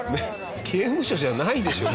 刑務所じゃないでしょ！